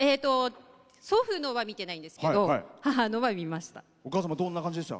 祖父のは見てないんですけど母のは見ました。